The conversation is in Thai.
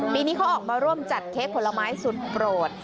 ปีนี้เขาออกมาร่วมจัดเค้กผลไม้สุดโปรด